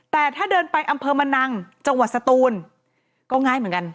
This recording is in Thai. แต่ถ้าเดินไปอำเภอมะนังจังหวัดสตูนก็ง่ายเหมือนกัน